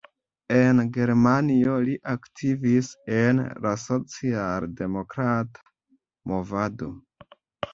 En Germanio li aktivis en la socialdemokrata movado.